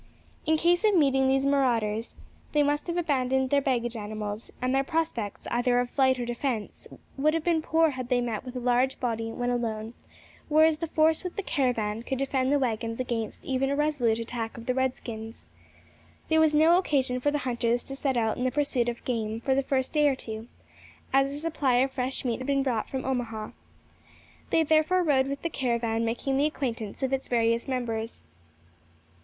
In case of meeting these marauders, they must have abandoned their baggage animals; and their prospects, either of flight or defence, would have been poor had they met with a large body when alone, whereas the force with the caravan could defend the waggons against even a resolute attack of the redskins. There was no occasion for the hunters to set out in the pursuit of game for the first day or two, as a supply of fresh meat had been brought from Omaha. They therefore rode with the caravan, making the acquaintance of its various members.